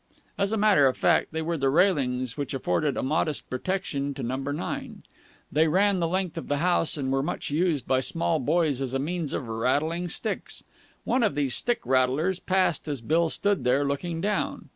As a matter of fact they were the railings which afforded a modest protection to Number Nine. They ran the length of the house, and were much used by small boys as a means of rattling sticks. One of these stick rattlers passed as Bill stood there looking down.